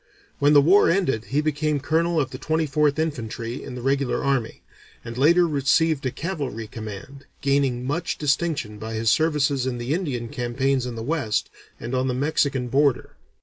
When the war ended he became colonel of the Twenty fourth Infantry in the regular army, and later received a cavalry command, gaining much distinction by his services in the Indian campaigns in the West and on the Mexican border.